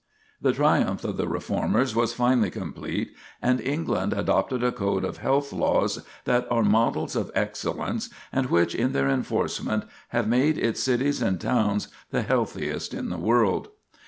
The triumph of the reformers was finally complete, and England adopted a code of health laws that are models of excellence, and which, in their enforcement, have made its cities and towns the healthiest in the world.